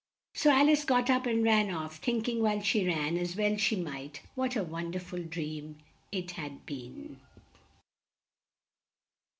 So Al ice got up and ran off, think ing while she ran, as well she might, what a won der ful dream it had been.